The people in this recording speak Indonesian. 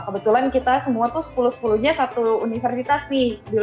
kebetulan kita semua tuh sepuluh sepuluh nya satu universitas nih